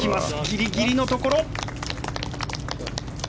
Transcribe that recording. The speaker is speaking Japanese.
ギリギリのところ。